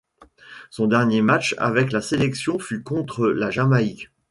Son dernier match avec la sélection fut contre la Jamaïque.